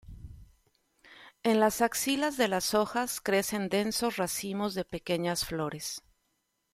En las axilas de las hojas crecen densos racimos de pequeñas flores.